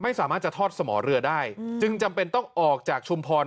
ไม่สามารถจะทอดสมอเรือได้จึงจำเป็นต้องออกจากชุมพร